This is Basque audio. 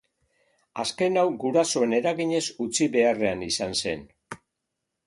Azken hau gurasoen eraginez utzi beharrean izan zen.